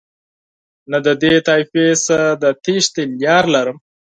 نه د دې طایفې څخه د تېښتې لاره لرم.